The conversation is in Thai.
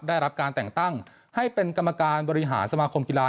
ได้รับการแต่งตั้งให้เป็นกรรมการบริหารสมาคมกีฬา